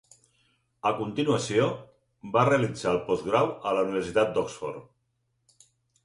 A continuació, va realitzar el postgrau a la Universitat d'Oxford.